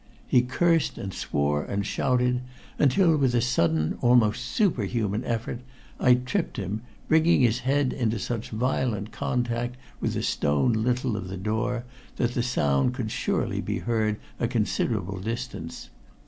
He cursed and swore and shouted until, with a sudden and almost superhuman effort, I tripped him, bringing his head into such violent contact with the stone lintel of the door that the sound could surely be heard a considerable distance.